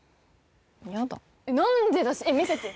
嫌だ何でだしえっ見せてよ